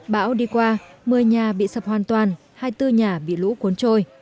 bão đi qua một mươi nhà bị sập hoàn toàn hai mươi bốn nhà bị lũ cuốn trôi